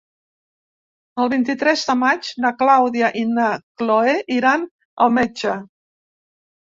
El vint-i-tres de maig na Clàudia i na Cloè iran al metge.